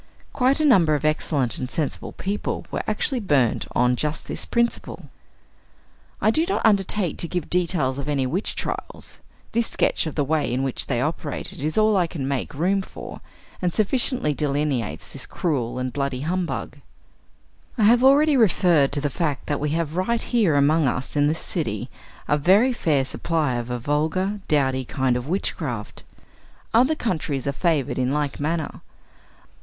Quite a number of excellent and sensible people were actually burnt on just this principle. I do not undertake to give details of any witch trials; this sketch of the way in which they operated is all I can make room for, and sufficiently delineates this cruel and bloody humbug. I have already referred to the fact that we have right here among us in this city a very fair supply of a vulgar, dowdy kind of witchcraft. Other countries are favored in like manner.